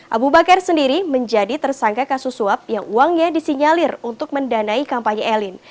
abu bakar sendiri menjadi tersangka kasus suap yang uangnya disinyalir untuk mendanai kampanye elin